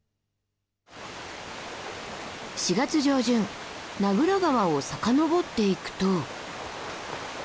４月上旬名蔵川を遡っていくと。